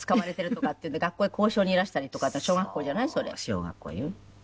小学校よ。